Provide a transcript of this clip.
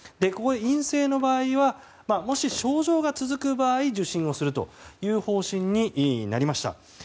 ここで陰性の場合もし症状が続くなら受診をするという方針になりました。